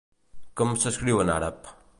Com s'escriu en àrab?